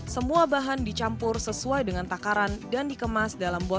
semua bahan dicampur sesuai dengan takaran dan dikemas dalam buah